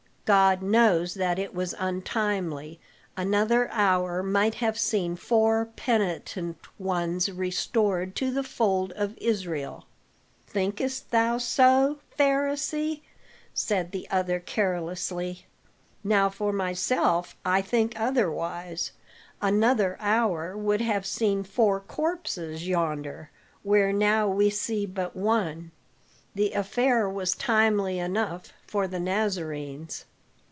God knows that it was untimely; another hour might have seen four penitent ones restored to the fold of Israel." "Thinkest thou so, Pharisee?" said the other carelessly. "Now for myself I think otherwise. Another hour would have seen four corpses yonder, where now we see but one. The affair was timely enough for the Nazarenes."